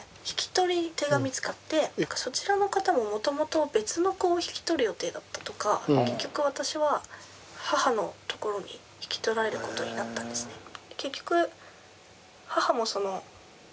引き取り手が見つかってそちらの方ももともと別の子を引き取る予定だったとか結局私は母のところに引き取られることになったんですね。